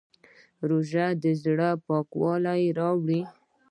روژه د زړه پاکوالی راوړي.